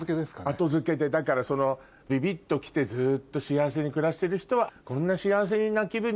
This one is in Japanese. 後付けでだからビビッと来てずっと幸せに暮らしてる人はこんな。